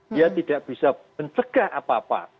dia tidak bisa mencegah apa apa